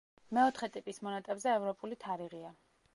მეოთხე ტიპის მონეტებზე ევროპული თარიღია.